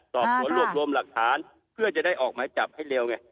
สอบสวนรวบรวมหลักฐานเพื่อจะได้ออกหมายจับให้เร็วไง